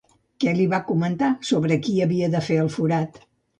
Què li va comentar sobre qui havia de fer el forat?